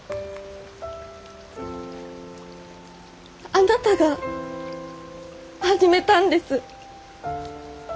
あなたが始めたんです！